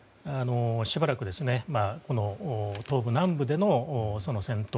しばらく東部、南部での戦闘